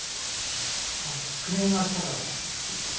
あクレームが来たからです。